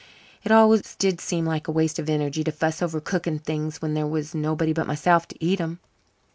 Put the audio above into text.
It always did seem like a waste of energy to fuss over cooking things when there was nobody but myself to eat them."